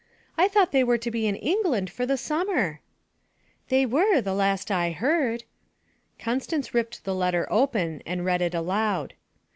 'I thought they were to be in England for the summer?' 'They were the last I heard.' Constance ripped the letter open and read it aloud.